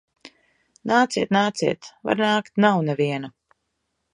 Nāciet, nāciet! Var nākt. Nav neviena.